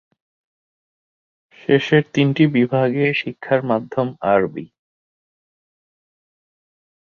শেষের তিনটি বিভাগে শিক্ষার মাধ্যম আরবি।